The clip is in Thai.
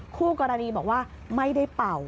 คู่กรณีบอกว่าไม่ได้เป่า